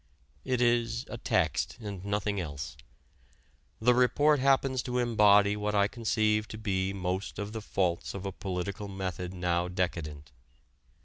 It is a text and nothing else. The report happens to embody what I conceive to be most of the faults of a political method now decadent.